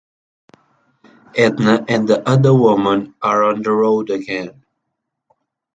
Edna and the other women are on the road again.